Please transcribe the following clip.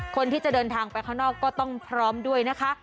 คนที่จะเดินทางไปข้างนอกก็ต้องพร้อมด้วยนะคะ